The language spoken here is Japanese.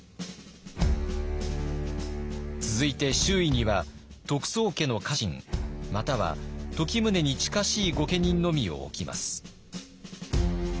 続いて周囲には得宗家の家臣または時宗に近しい御家人のみを置きます。